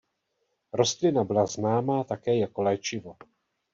Rostlina byla známá také jako léčivo.